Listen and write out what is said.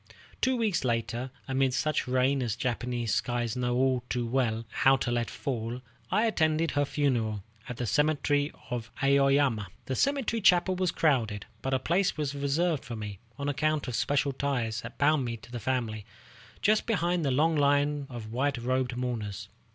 Two weeks later, amid such rain as Japanese skies know all too well how to let fall, I attended her funeral at the cemetery of Aoyama. The cemetery chapel was crowded, but a place was reserved for me, on account of special ties that bound me to the family, just behind the long line of white robed mourners.